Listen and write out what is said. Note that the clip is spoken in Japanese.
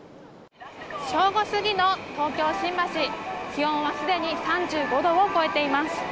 正午過ぎの東京・新橋、気温はすでに３５度を超えています。